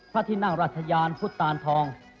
ที่นั่งราชยานพุทธตานทอง